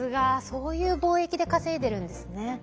そういう貿易で稼いでるんですね。